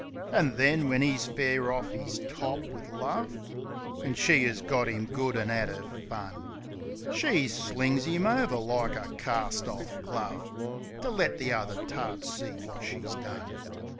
An' then, when 'e's fair orf 'is top wiv love. When she 'as got 'im good an' 'ad 'er fun. She slings 'im over like a carst orf glove. To let the other tarts see wot she's done.